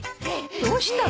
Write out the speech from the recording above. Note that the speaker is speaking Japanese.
どうしたの？